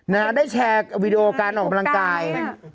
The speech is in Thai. นะฮะได้แชร์วีดีโอการออกกำลังกาย